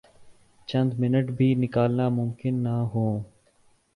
چند منٹ بھی نکالنا ممکن نہ ہوں۔